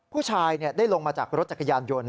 ผู้ชายได้ลงมาจากรถจักรยานยนต์